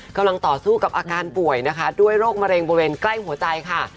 กำลังต่อสู้กับอาการป่วยนะคะด้วยโรคมะเร็งบริเวณใกล้หัวใจค่ะ